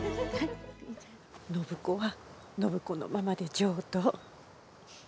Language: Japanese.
暢子は暢子のままで上等。